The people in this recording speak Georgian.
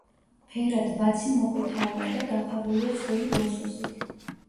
ფერად ბაცი მოყვითალოა და დაფარულია წვრილი ბუსუსით.